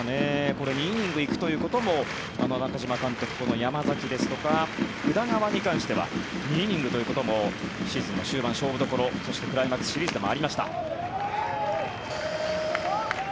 これ２イニング行くということも中嶋監督は山崎ですとか宇田川に関しては２イニングということもシーズンの終盤の勝負どころ、そしてクライマックスシリーズでもありました。